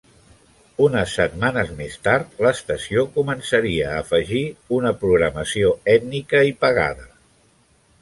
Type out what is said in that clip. Unes setmanes més tard, l"estació començaria a afegir una programació ètnica i pagada.